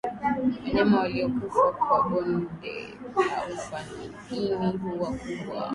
Wanyama waliokufa kwa bonde la ufa ini huwa kubwa